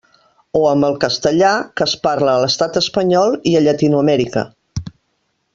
O amb el castellà, que es parla a l'estat espanyol i a Llatinoamèrica.